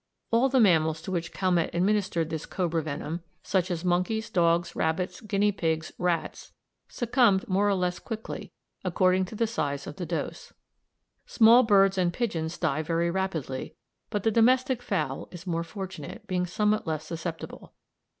All the mammals to which Calmette administered this cobra venom, such as monkeys, dogs, rabbits, guinea pigs, rats, succumbed more or less quickly, according to the size of the dose. Small birds and pigeons die very rapidly, but the domestic fowl is more fortunate, being somewhat less susceptible.